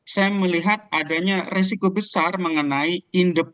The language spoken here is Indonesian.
saya melihat adanya resiko besar mengenai independen